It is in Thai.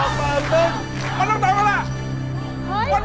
ลุยให้ของเจ็บแล้วไปเลย๒มื่น